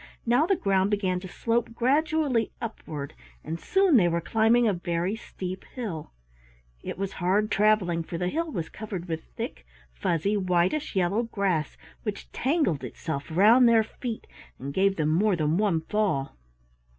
Now the ground began to slope gradually upward and soon they were climbing a very steep hill. It was hard traveling, for the hill was covered with thick, fuzzy, whitish yellow grass which tangled itself round their feet, and gave them more than one fall.